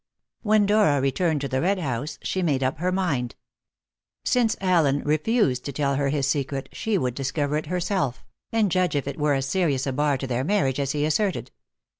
When Dora returned to the Red House, she made up her mind. Since Allen refused to tell her his secret, she would discover it herself, and judge if it were as serious a bar to their marriage as he asserted.